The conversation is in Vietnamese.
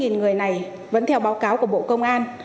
ba mươi một người này vẫn theo báo cáo của bộ công an